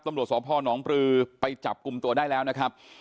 ตำรวจสพนปลือไปจับกลุ่มตัวได้แล้วนะครับ